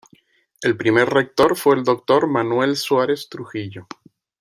El primer rector fue el Dr. Manuel Suárez Trujillo.